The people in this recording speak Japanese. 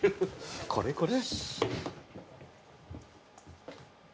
これこれ。